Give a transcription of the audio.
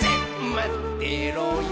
「まってろよ！」